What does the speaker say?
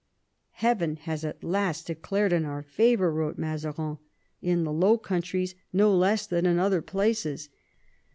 " Heaven has at last declared in our favour," wrote Mazarin, " in the Low Countries no less than in other places."